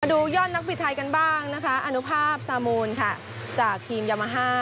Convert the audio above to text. ดูยอดนักบิดไทยกันบ้างนะคะอนุภาพซามูลค่ะจากทีมยามาฮ่า